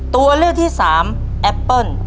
ตัวเลือกที่สามแอปเปิ้ล